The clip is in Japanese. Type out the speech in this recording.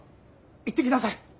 行ってきなさい。